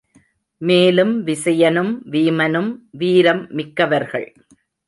மேலும் விசயனும் வீமனும் வீரம் மிக்கவர்கள்.